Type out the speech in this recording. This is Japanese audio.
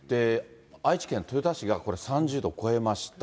愛知県豊田市がこれ３０度超えました。